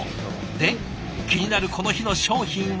で気になるこの日の商品は？